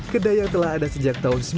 kedai yang telah ada sejak tahun dua ribu